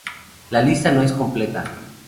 La lista no es completa